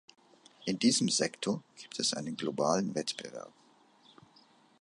In diesem Sektor gibt es einen globalen Wettbewerb.